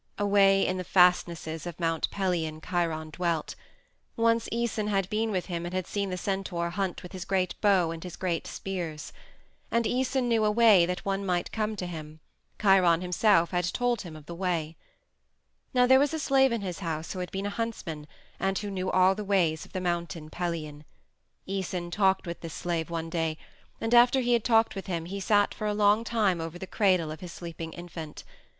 Away in the fastnesses of Mount Pelion Chiron dwelt; once Æson had been with him and had seen the centaur hunt with his great bow and his great spears. And Æson knew a way that one might come to him; Chiron himself had told him of the way. Now there was a slave in his house who had been a huntsman and who knew all the ways of the Mountain Pelion. Æson talked with this slave one day, and after he had talked with him he sat for a long time over the cradle of his sleeping infant.